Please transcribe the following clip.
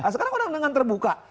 sekarang orang dengan terbuka